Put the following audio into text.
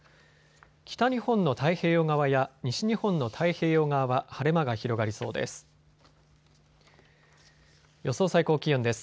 北日本の太平洋側や西日本の太平洋側は晴れ間が広がりそうです。